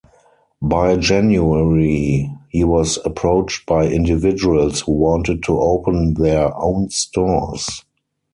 By January, he was approached by individuals who wanted to open their own stores.